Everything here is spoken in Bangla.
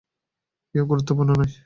কেউই গুরুত্বপূর্ণ নয়।